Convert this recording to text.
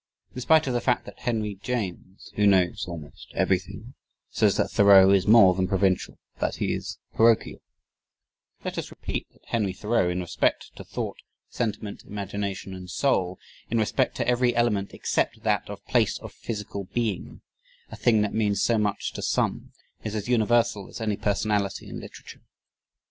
In spite of the fact that Henry James (who knows almost everything) says that "Thoreau is more than provincial that he is parochial," let us repeat that Henry Thoreau, in respect to thought, sentiment, imagination, and soul, in respect to every element except that of place of physical being a thing that means so much to some is as universal as any personality in literature.